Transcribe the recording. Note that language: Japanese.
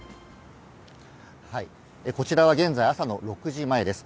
こちらは現在、朝の６時前です。